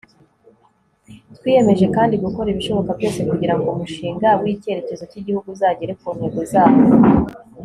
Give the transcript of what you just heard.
twiyemeje kandi gukora ibishoboka byose kugirango umushinga w'icyerekezo cy'igihugu uzagere kuntego zawo